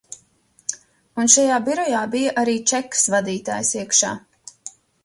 Un šajā birojā bija arī čekas vadītājs iekšā.